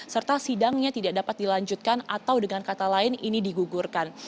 serta sidangnya tidak dapat dilanjutkan atau dengan kata lain ini digugurkan